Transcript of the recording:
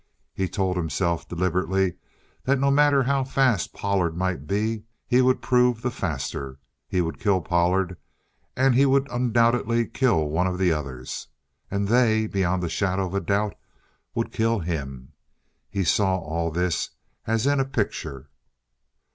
He told himself, deliberately, that no matter how fast Pollard might be, he would prove the faster. He would kill Pollard. And he would undoubtedly kill one of the others. And they, beyond a shadow of a doubt, would kill him. He saw all this as in a picture.